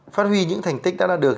phát huy những thành tích đã được